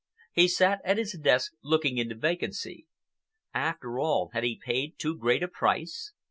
He sat at his desk, looking into vacancy. After all, had he paid too great a price?